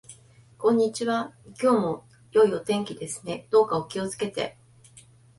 こんにちは。今日も良い天気ですね。どうかお気をつけて。